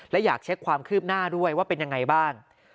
และอยากเช็คความคืบหน้าด้วยว่าเป็นยังไงบ้าง